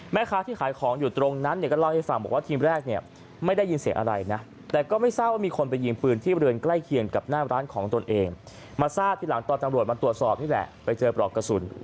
แม่ค้าที่ขายของอยู่ตรงนั้นก็เล่าให้ฟังว่าทีมแรก